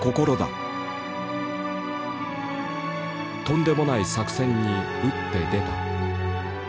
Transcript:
とんでもない作戦に打って出た。